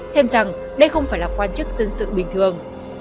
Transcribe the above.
thêm rằng đây không phải là quan chức dân sự bình thường